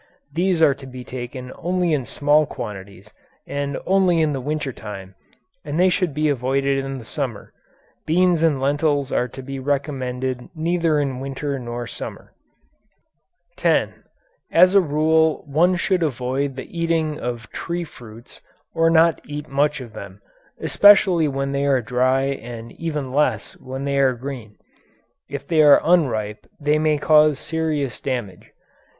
These are to be taken only in small quantities and only in the winter time and they should be avoided in the summer. Beans and lentils are to be recommended neither in winter nor summer. 10. As a rule one should avoid the eating of tree fruits, or not eat much of them, especially when they are dry and even less when they are green. If they are unripe they may cause serious damage.